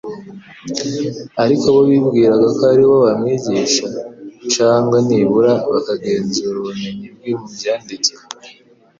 Ariko bo bwiraga ko ari bo bamwigisha cangwa nibura bakagenzura ubumenyi bwe mu Byanditswe.